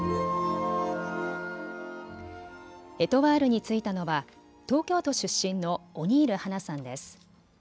エトワールに就いたのは東京都出身のオニール八菜さんです。